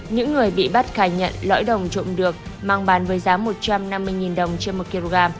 những người bị bắt khai nhận lõi đồng trộm được mang bán với giá một trăm năm mươi đồng trên một kg